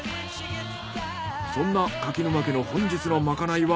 そんな柿沼家の本日のまかないは。